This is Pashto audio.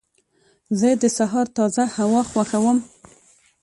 زه د سهار تازه هوا خوښوم.